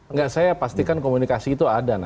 nggak saya pastikan komunikasi itu ada nak